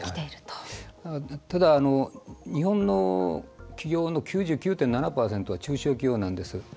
ただ、日本の企業の９９．７％は中小企業なんです。